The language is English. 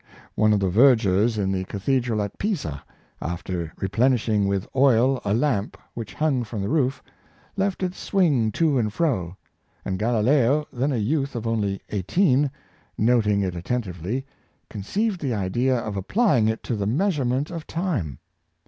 One of the vergers in the cathe dral at Pisa, after replenishing with oil a lamp which hung from the roof, left it swing to and fro; and Gali Galileo — 3ro7vn — Bi'unel, 245 leo, then a youth of only eighteen, noting it attentively, conceived the idea of applying it to the measurement of time.